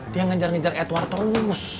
dia ngejar ngejar edward terus